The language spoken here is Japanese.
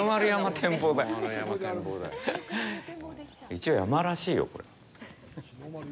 一応、山らしいよ、これ。